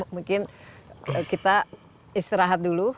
mungkin kita istirahat dulu